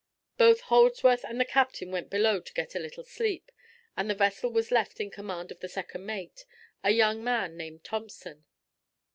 Both Holdsworth and the captain went below to get a little sleep, and the vessel was left in command of the second mate, a young man named Thompson.